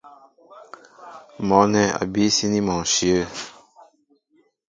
Mɔ̌ nɛ́ a bíyɛ́ síní mɔ ǹshyə̂.